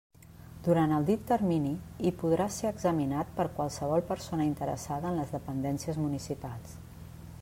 Durant el dit termini hi podrà ser examinat per qualsevol persona interessada en les dependències municipals.